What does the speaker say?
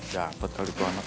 dapet kali itu anak